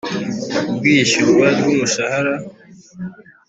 Ibw iyishyurwa ry umushahara